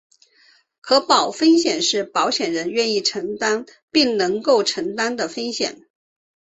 可保风险是保险人愿意承保并能够承保的风险。